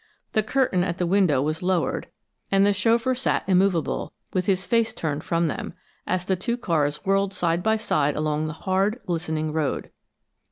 The curtain at the window was lowered, and the chauffeur sat immovable, with his face turned from them, as the two cars whirled side by side along the hard, glistening road.